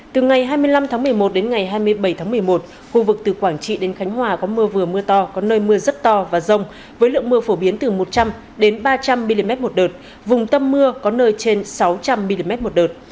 từ ngày hai mươi năm tháng một mươi một đến ngày hai mươi bảy tháng một mươi một khu vực từ quảng trị đến khánh hòa có mưa vừa mưa to có nơi mưa rất to và rông với lượng mưa phổ biến từ một trăm linh ba trăm linh mm một đợt vùng tâm mưa có nơi trên sáu trăm linh mm một đợt